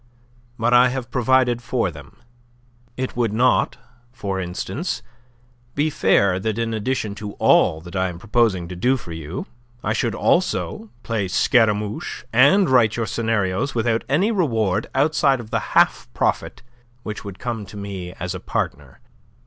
But I have provided for them. It would not, for instance, be fair that in addition to all that I am proposing to do for you, I should also play Scaramouche and write your scenarios without any reward outside of the half profit which would come to me as a partner.